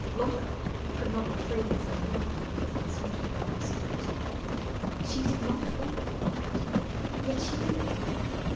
Lotta could not refrain From weeping as they sauntered down the street. She did not want the locket, yet she did.